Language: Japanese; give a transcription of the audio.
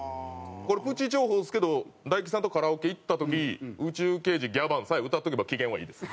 これプチ情報ですけど大吉さんとカラオケ行った時『宇宙刑事ギャバン』さえ歌っておけば機嫌はいいです。